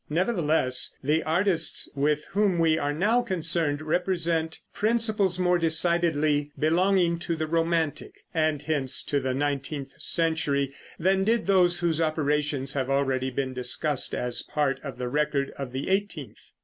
Nevertheless, the artists with whom we are now concerned represent principles more decidedly belonging to the romantic, and hence to the nineteenth century, than did those whose operations have already been discussed as part of the record of the eighteenth.